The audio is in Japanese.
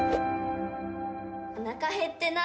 おなか減ってない？